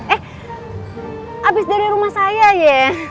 eh abis dari rumah saya ya